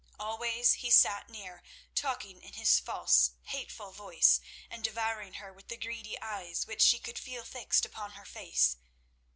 Always he sat near, talking in his false, hateful voice, and devouring her with the greedy eyes which she could feel fixed upon her face.